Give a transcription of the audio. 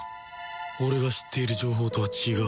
俺が知っている情報とは違う